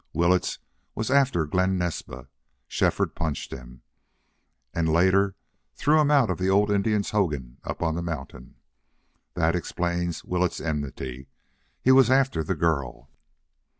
Willetts was after Glen Naspa. Shefford punched him. And later threw him out of the old Indian's hogan up on the mountain. That explains Willetts's enmity. He was after the girl."